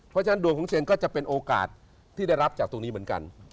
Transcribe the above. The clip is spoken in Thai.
เพราะฉะนั้นดวงของเชนก็จะเป็นโอกาสที่ได้รับจากตรงนี้เหมือนกัน